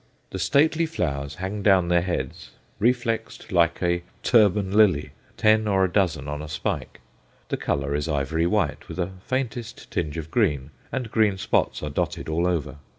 The stately flowers hang down their heads, reflexed like a "Turban Lily," ten or a dozen on a spike. The colour is ivory white, with a faintest tinge of green, and green spots are dotted all over.